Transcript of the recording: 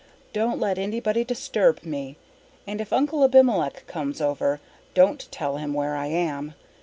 "Don't let anybody disturb me, and if Uncle Abimelech comes over don't tell him where I am.